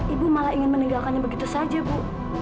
ibu malah ingin meninggalkannya begitu saja bu